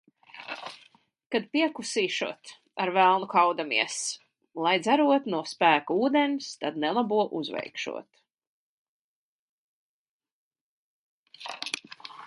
Kad piekusīšot, ar velnu kaudamies, lai dzerot no spēka ūdens, tad nelabo uzveikšot.